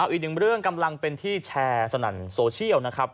อีกหนึ่งเรื่องกำลังเป็นที่แชร์สนั่นโซเชียลนะครับ